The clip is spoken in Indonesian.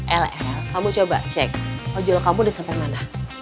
ll kamu coba cek ojol kamu udah sampai mana